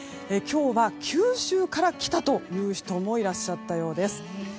今日は、九州から来たという人もいらっしゃったようです。